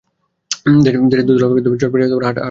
দোতলার বারান্দায় চটি ফটফটিয়ে হাঁটার শব্দ পাওয়া যাচ্ছে।